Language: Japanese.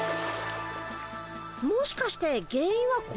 もしかして原因はこれ？